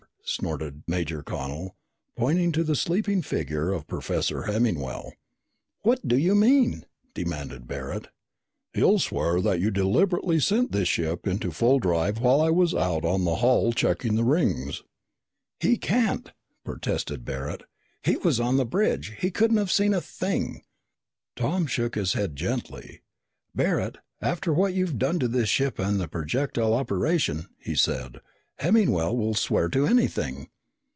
snorted Major Connel, pointing to the sleeping figure of Professor Hemmingwell. "What do you mean?" demanded Barret. "He'll swear that you deliberately sent this ship into full drive while I was out on the hull checking the rings." "He can't," protested Barret. "He was on the bridge! He couldn't have seen a thing!" Tom shook his head gently. "Barret, after what you've done to his ship and the projectile operation," he said, "Hemmingwell will swear to anything."